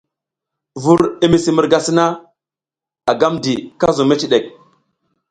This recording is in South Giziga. Vur i misi murga sina, a gam di ka zuƞ meciɗek.